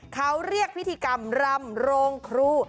เขาเรียกพิธีกรรมรงค์ครู